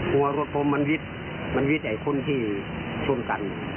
หัวรถผมมันวิทย์มันวิทย์ไอ้คนที่ช่วงกัน